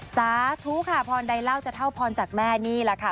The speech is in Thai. สาธุค่ะพรใดเล่าจะเท่าพรจากแม่นี่แหละค่ะ